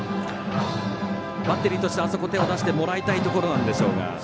バッテリーとしては手を出してもらいたいところでしょうが。